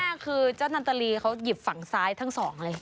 แต่คุณหน้าคือเจ้านาตาลีเขาหยิบฝั่งซ้ายทั้งสองเลย